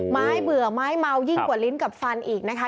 ไม้เบื่อไม้เมายิ่งกว่าลิ้นกับฟันอีกนะคะ